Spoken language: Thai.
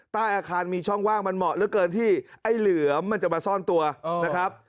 ใต้อาคารมีช่องว่างมันเหมาะเหลือเกินที่ไอ้เหลือมมันจะมาซ่อนตัวนะครับ